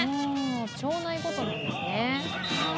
町内ごとなんですね。